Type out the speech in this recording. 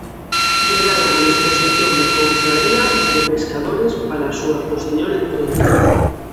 Quedaron á disposición da confraría de pescadores para a súa posterior entrega.